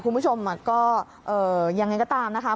คุณผู้ชมก็ยังไงก็ตามนะคะ